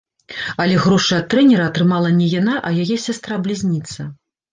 Але грошы ад трэнера атрымала не яна, а яе сястра-блізніца.